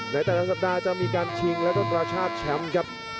ในแต่ละสัปดาห์จะมีการชิงแล้วก็กระชากแชมป์ครับ